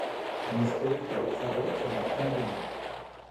On espère que les travaux seront finis demain.